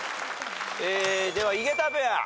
では井桁ペア。